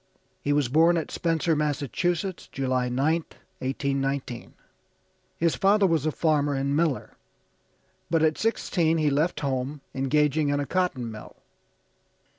He was born at Spencer, Massachusetts, July 9th, 1819. His father was a farmer and miller, but at sixteen he left home, engaging in a cotton mill.